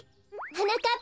はなかっ